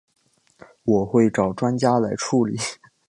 我会找专家来处理